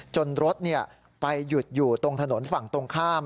รถไปหยุดอยู่ตรงถนนฝั่งตรงข้าม